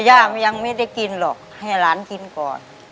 ย่ายังไม่ได้กินหรอกให้หลานกินก่อน